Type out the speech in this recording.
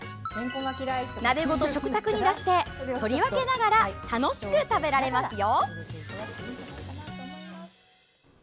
鍋ごと食卓に出して取り分けながら楽しく食べられますよ！